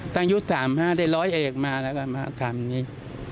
อายุ๓๕ได้ร้อยเอกมาแล้วก็มาทำอย่างนี้